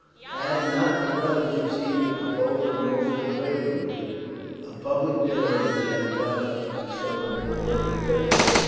Had not the brothers received the proposal most unfavourably, a public dinner would have been got up to celebrate their return.